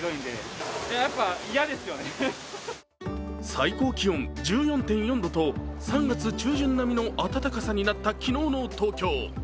最高気温１４．４度と３月中旬並みの暖かさになった昨日の東京。